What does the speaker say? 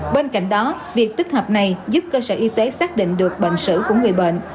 bên cạnh đó việc tích hợp này giúp cơ sở y tế xác định được bệnh sử của người bệnh